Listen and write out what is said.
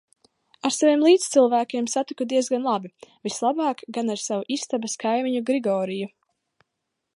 Ar saviem līdzcilvēkiem satiku diezgan labi, vislabāk gan ar savu istabas kaimiņu Grigoriju.